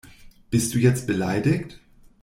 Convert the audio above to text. Bist du jetzt beleidigt?